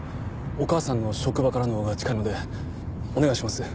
お義母さんの職場からのほうが近いのでお願いします。